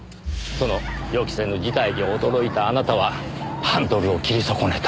その予期せぬ事態に驚いたあなたはハンドルを切り損ねた。